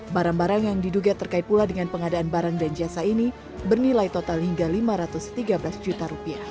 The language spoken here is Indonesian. barang barang yang diduga terkait pula dengan pengadaan barang dan jasa ini bernilai total hingga rp lima ratus tiga belas juta